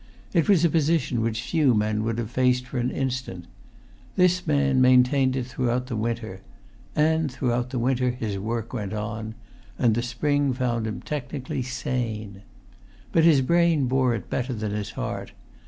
It was a position which few men would have faced for an instant. This man maintained it throughout the winter. And throughout the winter his work went on. And the spring found him technically sane. But his brain bore it better than his heart.